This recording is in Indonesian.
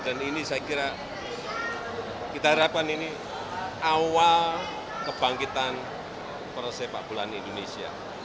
dan ini saya kira kita harapkan ini awal kebangkitan persepak bulan indonesia